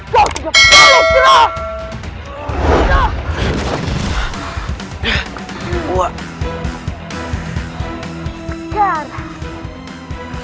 kau tidak boleh istirahat